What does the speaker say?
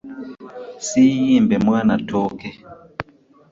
Siiyimbe mwan na ttooke .